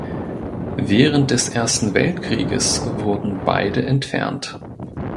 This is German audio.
Während des Ersten Weltkrieges wurden beide entfernt.